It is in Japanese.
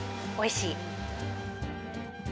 おいしい！